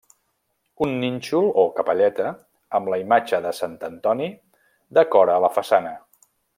Un nínxol o capelleta, amb la imatge de Sant Antoni, decora la façana.